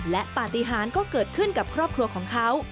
และปฏิหารก็เกิดขึ้นกับครอบครัวของเขา